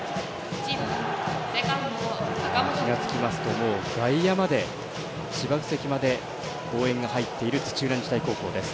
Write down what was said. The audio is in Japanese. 気が付きますと外野まで、芝生席まで応援が入っている土浦日大高校です。